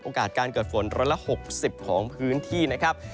โอกาสการเกิดฝนร้อยละ๖๐ของพื้นที่นะครับ